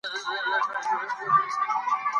له یخنیه وه بېزار خلک له ګټو